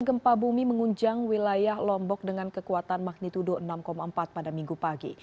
gempa bumi mengunjang wilayah lombok dengan kekuatan magnitudo enam empat pada minggu pagi